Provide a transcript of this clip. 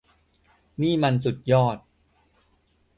นี่มันสุดยอด !